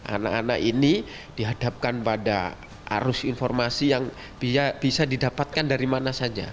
anak anak ini dihadapkan pada arus informasi yang bisa didapatkan dari mana saja